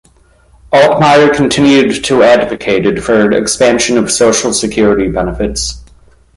Altmeyer continued to advocated for expansion of Social Security benefits.